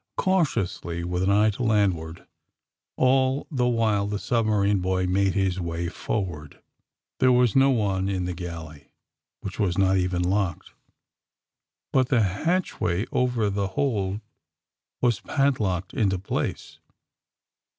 Cautiously, with an eye to landward all the while, the submarine boy made his way forward. There was no one in the galley, which was not even locked. But the hatchway over the hold was padlocked into place.